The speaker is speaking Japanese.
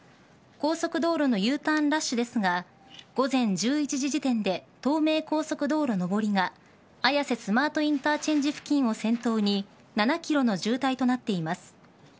高速道路のＵターンラッシュですが午前１１時時点で東名高速道路上りが綾瀬スマートインターチェンジ付近を先頭に７ｋｍの渋滞となっています。